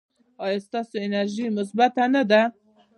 ایا ستاسو انرژي مثبت نه ده؟